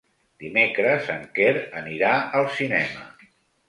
Dimecres en Quer anirà al cinema.